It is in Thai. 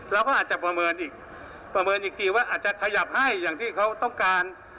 เราก็อาจจะประเมินอีกประเมินอีกทีว่าอาจจะขยับให้อย่างที่เขาต้องการ